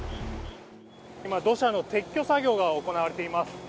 今、土砂の撤去作業が行われています。